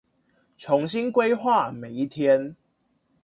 重新規劃每一天